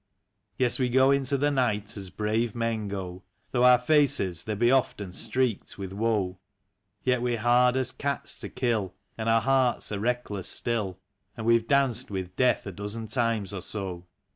Yes, we go into the night as brave men go, Though our faces they be often streaked with woe; Yet we're hard as cats to kill, And our hearts are reckless still. And we've danced with death a dozen times or so.